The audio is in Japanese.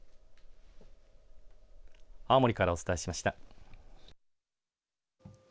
青森からお伝えしました。